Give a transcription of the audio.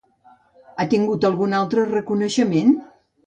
Ha tingut algun altre reconeixement?